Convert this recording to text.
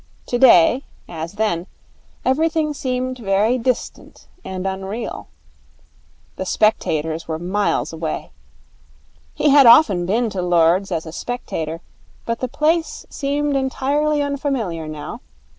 Today, as then, everything seemed very distant and unreal. The spectators were miles away. He had often been to Lord's as a spectator, but the place seemed entirely unfamiliar now.